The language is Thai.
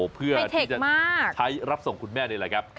เพื่อที่จะใช้รับส่งคุณแม่นี่แหละครับ